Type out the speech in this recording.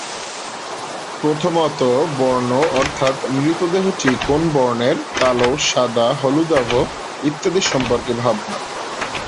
প্রথমত বর্ণ, অর্থাৎ মৃতদেহটি কোন বর্ণের, কালো, সাদা, হলুদাভ ইত্যাদি সম্পর্কে ভাবনা।